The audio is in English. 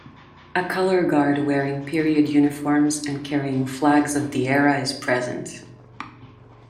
A color guard wearing period uniforms and carrying flags of the era is present.